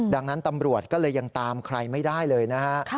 ดังนั้นตำรวจก็เลยยังตามใครไม่ได้เลยนะฮะ